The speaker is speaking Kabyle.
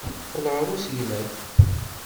Teqqel ɣer usegnaf.